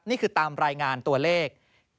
นี่คือตามรายงานตัวเลข